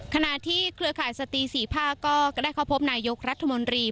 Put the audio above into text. ขณะที่เครือข่ายสตรี๔ภาคก็ได้เข้าพบนายกรัฐมนตรี